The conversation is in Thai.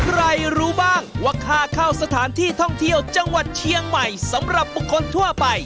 รู้บ้างว่าค่าเข้าสถานที่ท่องเที่ยวจังหวัดเชียงใหม่สำหรับบุคคลทั่วไป